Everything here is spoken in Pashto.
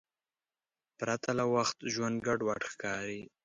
پرته له وخت ژوند ګډوډ ښکاري.